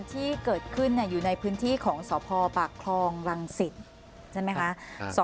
ที่เกิดขึ้นอยู่ในพื้นที่ของสพปากคลองรังสิตใช่ไหมคะ